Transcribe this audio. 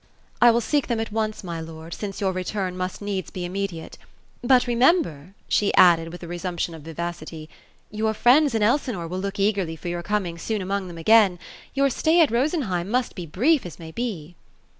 " I will seek them at once, my lord, since your return must needs be immediate. But remember," she added, with a resumption of vivacity ;^ your friends in Elsinore will look eagerly for your coming soon among them again. Your stay at Rosenheim must be brief as may be."